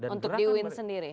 untuk di win sendiri